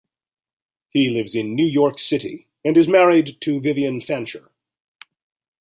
He lives in New York City and is married to Vivian Fancher.